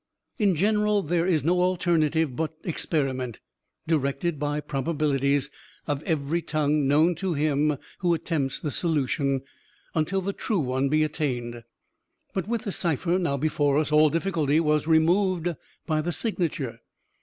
In general, there is no alternative but experiment (directed by probabilities) of every tongue known to him who attempts the solution, until the true one be attained. But, with the cipher now before us all difficulty was removed by the signature.